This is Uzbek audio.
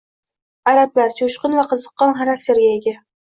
Arablar: joʻshqin va qiziqqon xarakterga ega.